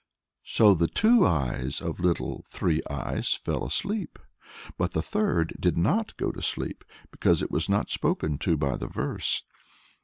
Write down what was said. So the two eyes of Little Three Eyes fell asleep, but the third did not go to sleep, because it was not spoken to by the verse.